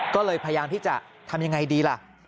ก็เลยพยายามที่จะทำยังไงดีล่ะ